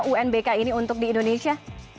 unbk ini untuk di indonesia